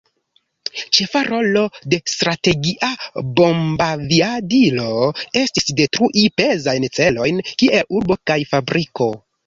Ĉefa rolo de Strategia bombaviadilo estis detrui pezajn celojn kiel urbo kaj fabriko.